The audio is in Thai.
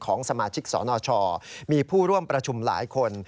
ของสมาชิกสนชมีผู้ร่วมประชุมหลายคน